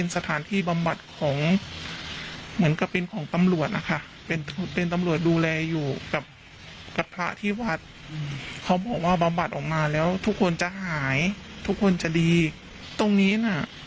สถานที่บำบัดเหมือนกับเป็นตัมหลวกนะค่ะ